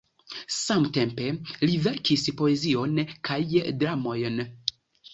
Samtempe li verkis poezion kaj dramojn.